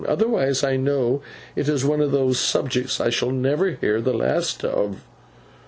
Otherwise, I know it is one of those subjects I shall never hear the last of.